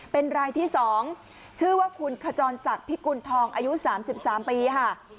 เป็นรายที่๒ชื่อว่าคุณขจรศักดิ์พิกุณฑองอายุ๓๓ปีค่ะ